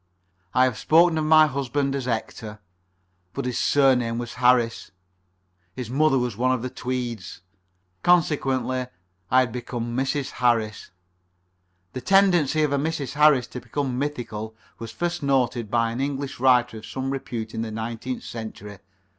I have spoken of my husband as Hector, but his surname was Harris his mother was one of the Tweeds. Consequently, I had become Mrs. Harris. The tendency of a Mrs. Harris to become mythical was first noticed by an English writer of some repute in the nineteenth century.